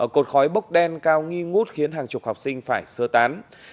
cột khói bốc đen cao nghi ngút khiến hàng chục học sinh phải sơ tán